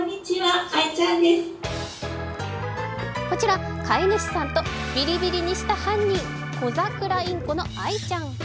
こちら飼い主さんとビリビリにした犯人、コザクラインコのアイちゃん。